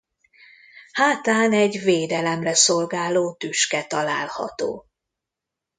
Hátán egy védelemre szolgáló tüske található.